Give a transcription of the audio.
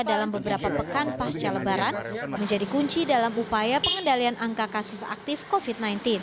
dalam beberapa pekan pasca lebaran menjadi kunci dalam upaya pengendalian angka kasus aktif covid sembilan belas